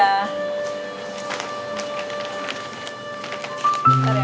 bentar ya mas